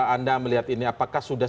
anda melihat ini apakah sudah